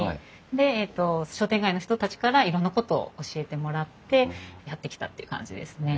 で商店街の人たちからいろんなことを教えてもらってやって来たっていう感じですね。